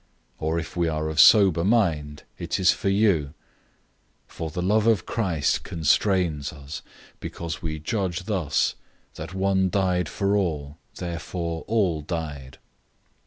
Or if we are of sober mind, it is for you. 005:014 For the love of Christ constrains us; because we judge thus, that one died for all, therefore all died.